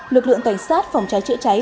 lực lượng cảnh sát phòng cháy chữa cháy